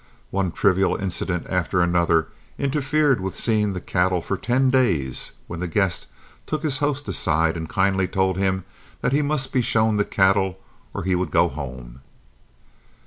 One trivial incident after another interfered with seeing the cattle for ten days, when the guest took his host aside and kindly told him that he must be shown the cattle or he would go home.